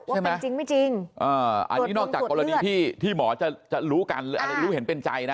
ว่าเป็นจริงไม่จริงอันนี้นอกจากกรณีที่ที่หมอจะรู้เห็นเป็นใจนะ